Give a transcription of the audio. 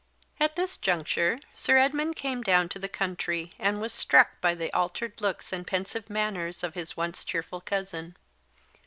At this juncture Sir Edmund came down to the country, and was struck by the altered looks and pensive manners of his once cheerful cousin.